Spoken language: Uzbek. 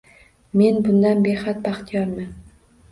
Men bundan behad baxtiyorman